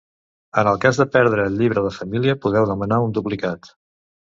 En el cas de perdre el Llibre de Família podeu demanar un duplicat.